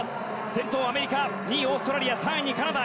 先頭、アメリカ２位、オーストラリア３位、カナダ。